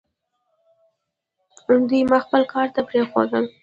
دوی مې خپل کار ته پرېښوول.